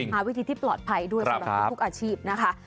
หาวิธีที่ปลอดภัยด้วยสำหรับทุกอาชีพนะคะ